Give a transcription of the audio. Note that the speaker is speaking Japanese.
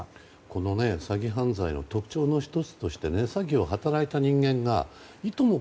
この詐欺犯罪の特徴の１つとして詐欺を働いた人間がいとも